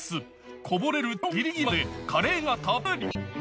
こぼれる超ギリギリまでカレーがたっぷり。